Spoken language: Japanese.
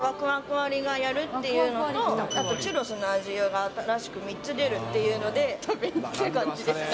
ワクワク割がやるっていうのと、あと、チュロスの味が新しく３つ出るっていうので、食べに来た感じですね。